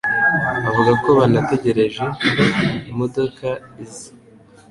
avuga ko banategereje ko imodokaiza